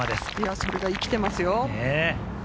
それが生きていますよ。